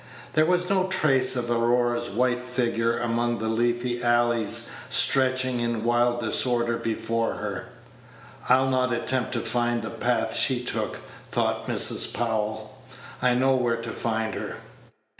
There was no trace of Aurora's white figure among the leafy alleys stretching in wild disorder before her. "I'll not attempt to find the path she took," thought Mrs. Powell; "I know where to find her."